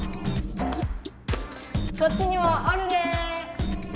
こっちにもおるで！